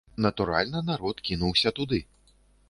Натуральна, народ кінуўся туды.